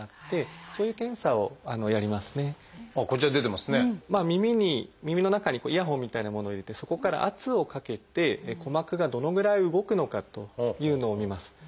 まあ耳に耳の中にイヤホンみたいなものを入れてそこから圧をかけて鼓膜がどのぐらい動くのかというのを診ます。